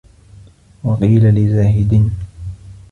وَقِيلَ لِزَاهِدٍ